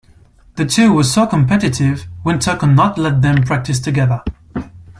The two were so competitive, Winter could not let them practice together.